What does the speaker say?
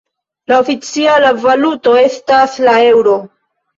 La oficiala valuto estas la Eŭro.